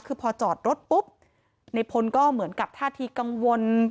คือพอจอดรถปุ๊บในพลก็เหมือนกับท่าทีกังวล